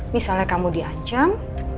misalnya kamu diancam